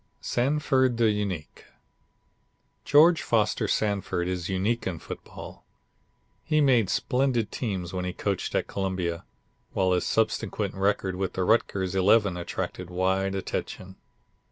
Sanford the Unique George Foster Sanford is unique in football. He made splendid teams when he coached at Columbia, while his subsequent record with the Rutgers Eleven attracted wide attention.